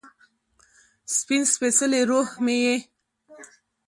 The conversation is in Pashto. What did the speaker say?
سپین سپيڅلې روح مې یې